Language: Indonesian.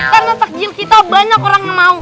karena takdil kita banyak orang yang mau